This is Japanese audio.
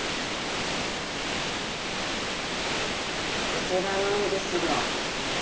こちらなんですよ。